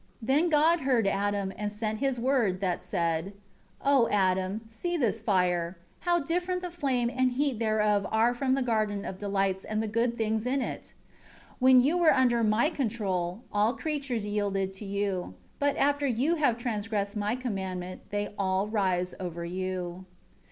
2 Then God heard Adam, and sent him His Word, that said: 3 "O Adam, see this fire! How different the flame and heat thereof are from the garden of delights and the good things in it! 4 When you were under My control, all creatures yielded to you; but after you have transgressed My commandment, they all rise over you."